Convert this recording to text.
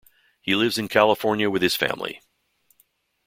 He lives in California with his family.